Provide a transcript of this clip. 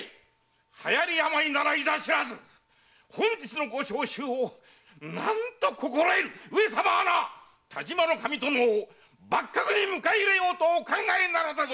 流行病ならいざ知らず本日のご召集を何と心得る⁉上様は但馬守殿を幕閣に迎え入れようとお考えなのだぞ‼